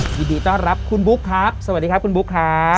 ยินดีต้อนรับคุณบุ๊คครับสวัสดีครับคุณบุ๊คครับ